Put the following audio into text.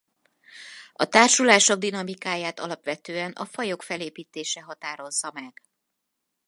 A társulások dinamikáját alapvetően a fajok felépítése határozza meg.